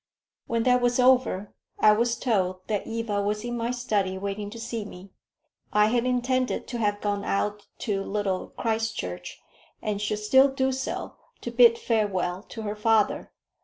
When that was over, I was told that Eva was in my study waiting to see me. I had intended to have gone out to Little Christchurch, and should still do so, to bid farewell to her father.